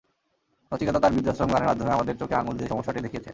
নচিকেতা তাঁর বৃদ্ধাশ্রম গানের মাধ্যমে আমাদের চোখে আঙুল দিয়ে সমস্যাটি দেখিয়েছেন।